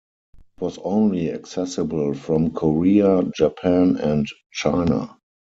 It was only accessible from Korea, Japan and China.